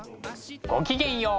ごきげんよう。